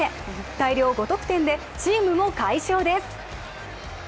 大量５得点でチームも快勝です。